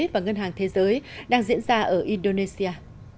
và ngân hàng thế giới đang diễn ra ở indonesia